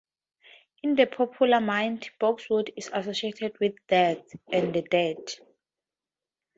In the popular mind, boxwood is associated with death and the dead.